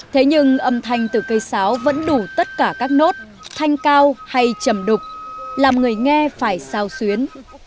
thế nhưng âm thanh từ cây sáo vẫn đủ tất cả các nốt thanh cao hay chầm đục làm người nghe phải sao xuyến